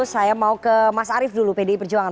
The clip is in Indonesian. saya mau ke mas arief dulu pdi perjuangan